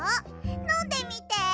のんでみて。